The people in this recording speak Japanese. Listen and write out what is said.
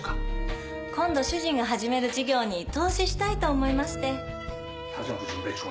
今度主人が始める事業に投資したいと思いまして。